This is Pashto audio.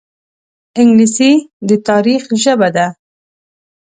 انګلیسي د تاریخ ژبه ده